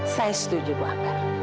saya setuju bu ambar